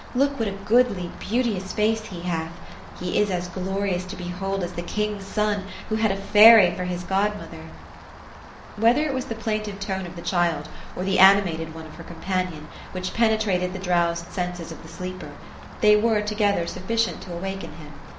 Look what a goodly, beauteous face be hath I He is as glorious to behold, as the king's son, who had a fairy for his godmother !" Whether it was the plaintive tone of the child, or the animated one of her companion, which penetrated the drowsed senses of the sleeper ; they were, together, sufficient to awaken him.